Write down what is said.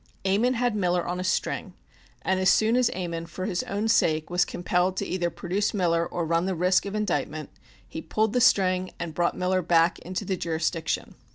Ammon had Miller on a string, and as soon as Ammon (for his own sake) was compelled either to produce Miller or to run the risk of indictment, he pulled the string and brought Miller back into the jurisdiction."